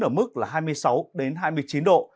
ở mức là hai mươi sáu đến hai mươi chín độ